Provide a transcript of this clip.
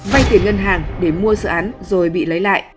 vay tiền ngân hàng để mua dự án rồi bị lấy lại